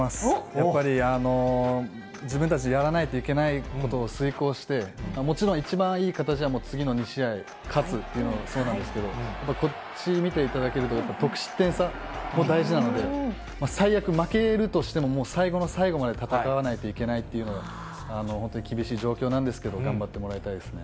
やっぱり自分たち、やらないといけないことを遂行して、もちろん一番いい形は次の２試合、勝つっていうの、そうなんですけど、こっち見ていただけると、得失点差も大事なので、最悪負けるとしても、もう最後の最後まで戦わないといけないっていう、本当厳しい状況なんですけど、頑張ってもらいたいですね。